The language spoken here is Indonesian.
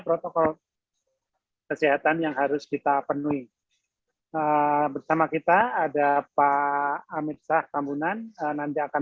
protokol kesehatan yang harus kita penuhi bersama kita ada pak amir syah tambunan nanti akan